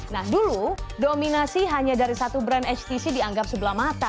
nah dulu dominasi hanya dari satu brand htc dianggap sebelah mata